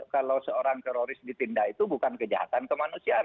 kalau seorang teroris ditindak itu bukan kejahatan kemanusiaan